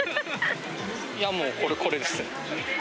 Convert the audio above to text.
いやもう、これ、これです。